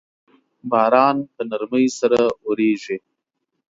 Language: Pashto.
باران په نرمۍ سره اوریږي